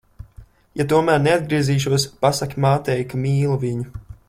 Ja tomēr neatgriezīšos, pasaki mātei, ka mīlu viņu.